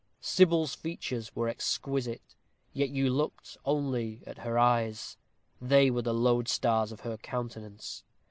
Sybil's features were exquisite, yet you looked only at her eyes they were the loadstars of her countenance.